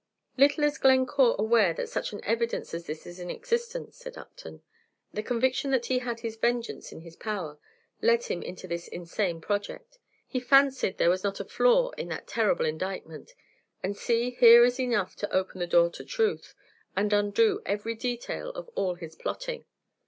"Little is Glencore aware that such an evidence as this is in existence," said Upton. "The conviction that he had his vengeance in his power led him into this insane project. He fancied there was not a flaw in that terrible indictment; and see, here is enough to open the door to truth, and undo every detail of all his plotting.